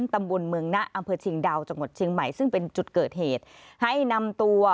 ตำบลเมืองนะอำเภอเชียงดาวจังหวัดเชียงใหม่ซึ่งเป็นจุดเกิดเหตุให้นำตัว